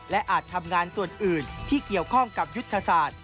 และอาจทำงานส่วนอื่นที่เกี่ยวข้องกับยุทธศาสตร์